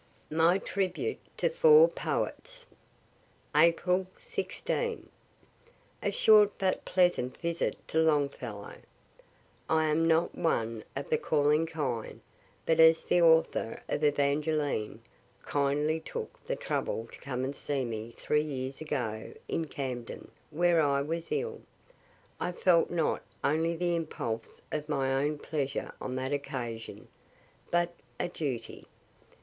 MY TRIBUTE TO FOUR POETS April 16. A short but pleasant visit to Longfellow. I am not one of the calling kind, but as the author of "Evangeline" kindly took the trouble to come and see me three years ago in Camden, where I was ill, I felt not only the impulse of my own pleasure on that occasion, but a duty.